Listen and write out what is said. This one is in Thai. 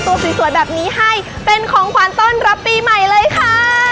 สวยแบบนี้ให้เป็นของขวัญต้อนรับปีใหม่เลยค่ะ